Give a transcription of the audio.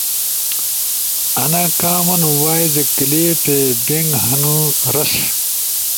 آنا کام ن وائے اے کلپس بنک ہنُو۔ رس